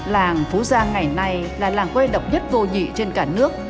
làng phú gia ngày nay là làng quê độc nhất vô nhị trên cả nước